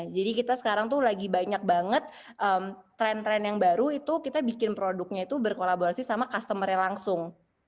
jadi kita sekarang tuh lagi banyak banget tren tren yang baru itu kita bikin produknya itu berkolaborasi sama customer nya langsung